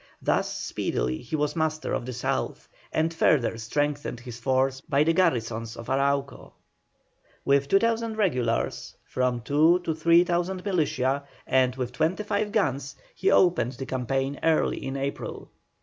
Thus speedily he was master of the South, and further strengthened his force by the garrisons of Arauco. With 2,000 regulars, from 2,000 to 3,000 militia, and with twenty five guns, he opened the campaign early in April.